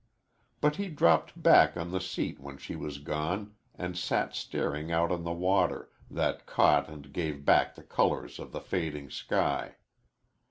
But he dropped back on the seat when she was gone, and sat staring out on the water, that caught and gave back the colors of the fading sky.